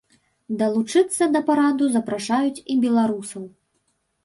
Далучыцца да параду запрашаюць і беларусаў.